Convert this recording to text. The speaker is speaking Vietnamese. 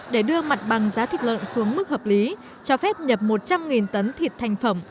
để đưa mặt bằng giá thịt lợn xuống mức hợp lý cho phép nhập một trăm linh tấn thịt thành phẩm